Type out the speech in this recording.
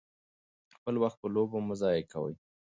خپل وخت په لوبو مه ضایع کوئ.